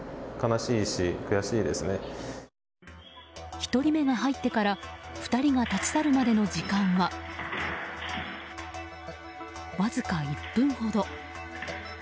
１人目が入ってから２人が立ち去るまでの時間はわずか１分ほど。